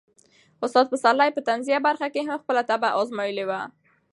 استاد پسرلي په طنزيه برخه کې هم خپله طبع ازمایلې وه.